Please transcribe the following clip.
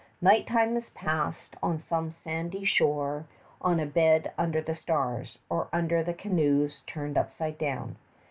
Night time is passed on some sandy shore on a bed under the stars, or under the canoes turned upside down.